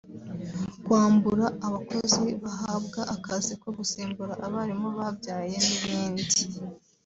kwambura abakozi bahabwa akazi ko gusimbura abarimu babyaye n’ibindi